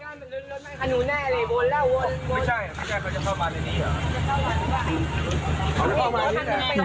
ไม่ใช่ไม่ใช่เขาจะเข้ามาในนี้เหรอ